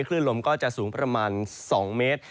คลื่นลมก็จะสูงประมาณ๒เมตร